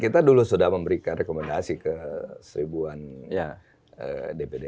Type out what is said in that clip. kita dulu sudah memberikan rekomendasi ke seribuan dpd